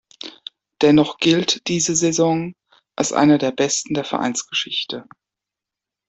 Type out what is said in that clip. Dennoch gilt diese Saison, als eine der besten der Vereinsgeschichte.